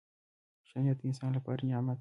• ښه نیت د انسان لپاره نعمت دی.